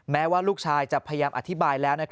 แม้ว่าลูกชายจะพยายามอธิบายแล้ว